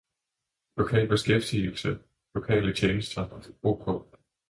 Lokal beskæftigelse, lokale tjenester, ok.